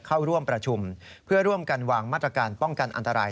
เข้าร่วมประชุมเพื่อร่วมกันวางมาตรการป้องกันอันตราย